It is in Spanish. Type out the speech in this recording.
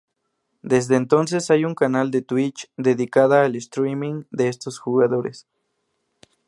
Desde entonces hay un canal de Twitch dedicada al streaming de estos jugadores.